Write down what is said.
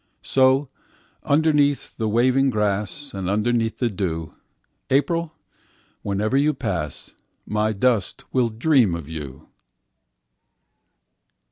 So, underneath the waving grass, And underneath the dew, April, whenever you will pass, My dust will dream of you!